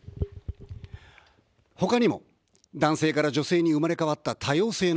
他にも、男性から女性に生まれ変わった多様性の星。